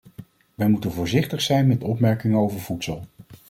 Wij moeten voorzichtig zijn met opmerkingen over voedsel.